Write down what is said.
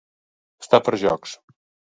Estar per jocs.